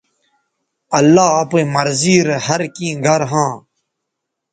اللہ اپئیں مرضی رے ہر کیں گر ھاں